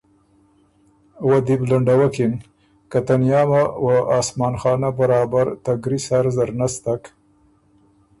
وه دی بُو لنډَوَکِن که تنیامه وه اسمان خانۀ برابر ته ګري سر زر نستک